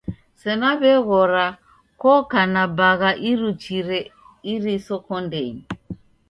Sena w'eghora koka na bagha iruchire iriso kondenyi.